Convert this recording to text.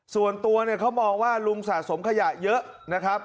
ส่วนตัวเนี่ยเขามองว่าลุงสะสมขยะเยอะนะครับ